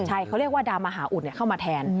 ใช่เขาเรียกว่าดาวมหาอุดเข้ามาแทน